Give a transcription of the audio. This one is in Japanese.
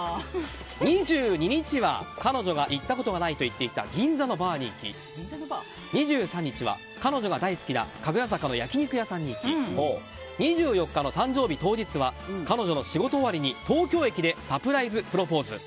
２２日は彼女が行ったことがないと言っていた銀座のバーに行き２３日は彼女が大好きな神楽坂の焼き肉屋さんに行き２４日の誕生日当日は彼女の仕事終わりに東京駅でサプライズプロポーズ。